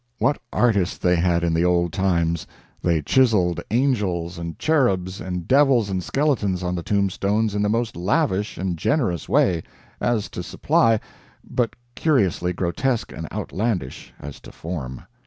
What artists they had in the old times! They chiseled angels and cherubs and devils and skeletons on the tombstones in the most lavish and generous way as to supply but curiously grotesque and outlandish as to form.